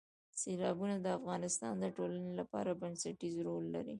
سیلابونه د افغانستان د ټولنې لپاره بنسټيز رول لري.